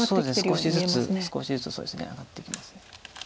少しずつ少しずつそうですね上がってきます。